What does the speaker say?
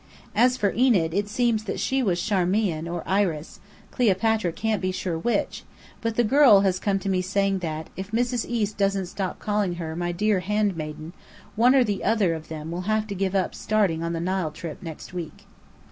As for Enid, it seems that she was Charmian or Iris, Cleopatra can't be sure which; but the girl has come to me saying that, if Mrs. East doesn't stop calling her "My dear handmaiden," one or the other of them will have to give up starting on the Nile trip next week.